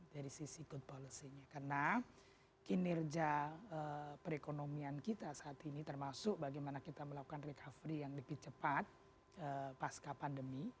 dari sisi good policy nya karena kinerja perekonomian kita saat ini termasuk bagaimana kita melakukan recovery yang lebih cepat pasca pandemi